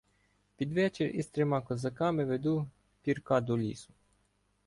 Під вечір із трьома козаками веду Пірка до лісу.